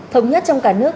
thống nhất trong cả nước